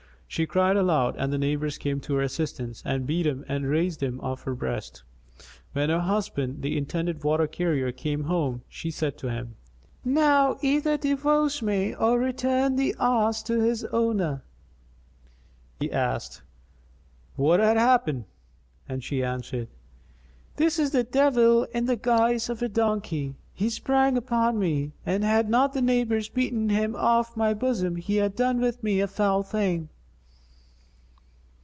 She cried aloud and the neighbours came to her assistance and beat him and raised him off her breast. When her husband the intended water carrier came home, she said to him, "Now either divorce me or return the ass to his owner." He asked, "What hath happened?"; and she answered, "This is a devil in the guise of a donkey. He sprang upon me, and had not the neighbours beaten him off my bosom he had done with me a foul thing."